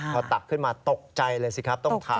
พอตักขึ้นมาตกใจเลยสิครับต้องถาม